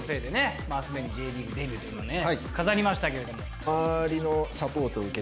すでにＪリーグデビューというのね飾りましたけれども。